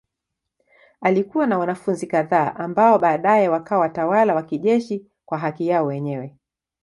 Alikuwa na wanafunzi kadhaa ambao baadaye wakawa watawala wa kijeshi kwa haki yao wenyewe.